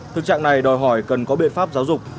thực trạng này đòi hỏi cần có biện pháp giáo dục